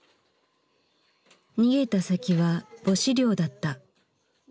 逃げた先は母子寮だった。